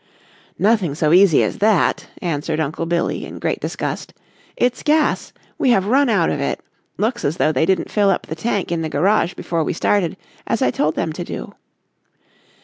"Nothing so easy as that," answered Uncle Billy, in great disgust; "it's gas. We have run out of it. Looks as though they didn't fill up the tank in the garage before we started, as I told them to do."